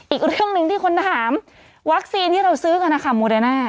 อีกเรื่องหนึ่งที่คนถามวัคซีนที่เราซื้อกันนะคะโมเดน่า